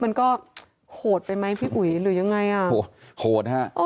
มันก็โหดไปไหมอุ๋ยรู้ยังไงอ่ะ